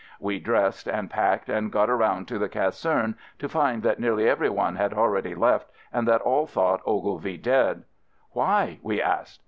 We dressed and packed and got around to the caserne to find that nearly every one had already left and that all thought Ogilvie dead. " Why?" we asked.